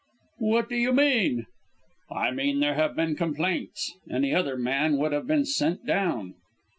"What do you mean?" "I mean there have been complaints. Any other man would have been sent down."